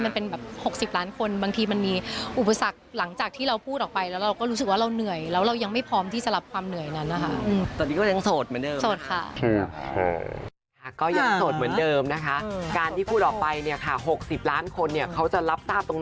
มันเป็นแบบ๖๐ล้านคนบางทีมันมีอยู่ประสาท